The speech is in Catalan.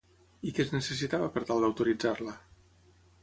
I què es necessitava per tal d'autoritzar-la?